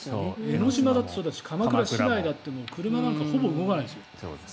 江の島だってそうだし鎌倉市内だって車なんかほぼ動かないですよ。